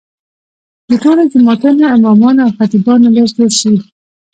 د ټولو جوماتونو امامانو او خطیبانو لست جوړ شي.